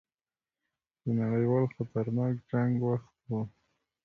د نړیوال خطرناک جنګ وخت وو.